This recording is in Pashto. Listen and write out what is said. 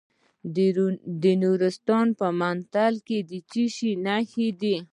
د نورستان په مندول کې د څه شي نښې دي؟